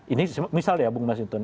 ini misalnya ya bung mas yudhon